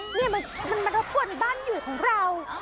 มันมารบป้วนบ้านอยู่ของเรา